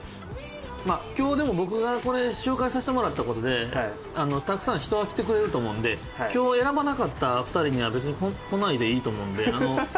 今日でも僕がこれ紹介させてもらった事でたくさん人は来てくれると思うので今日選ばなかった２人には別に来ないでいいと思うので。